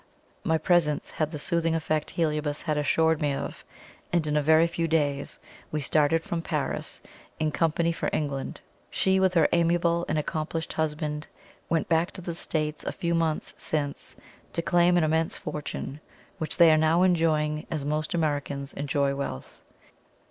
My presence had the soothing effect Heliobas had assured me of, and in a very few days we started from Paris in company for England. She, with her amiable and accomplished husband, went back to the States a few months since to claim an immense fortune, which they are now enjoying as most Americans enjoy wealth.